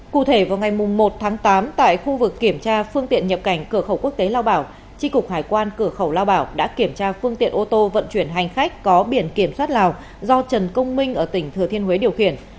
cụ thể vào ngày một tháng tám tại khu vực kiểm tra phương tiện nhập cảnh cửa khẩu quốc tế lao bảo tri cục hải quan cửa khẩu lao bảo đã kiểm tra phương tiện ô tô vận chuyển hành khách có biển kiểm soát lào do trần công minh ở tỉnh thừa thiên huế điều khiển